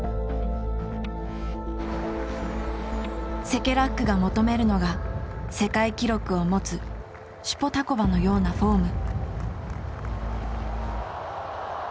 セケラックが求めるのが世界記録を持つシュポタコバのようなフォーム。